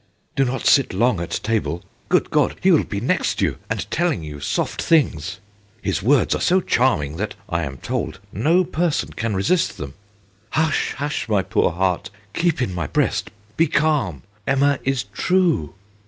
c Do not sit long at table. Good God I He will be next you and telling you soft things. ... His words are so charming that, I am told, no person can resist them. ... Hush, hush, my poor heart ! keep in my breast, be calm, Emma is true.